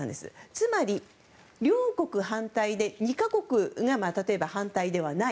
つまり、両国反対で２か国が例えば反対ではない。